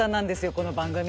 この番組。